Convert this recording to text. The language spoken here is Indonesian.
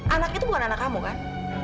anak itu bukan anak kamu kan